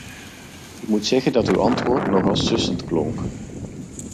Ik moet zeggen dat uw antwoord nogal sussend klonk.